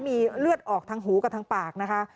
มีเลือดออกทางหูกับทางปากนะคะ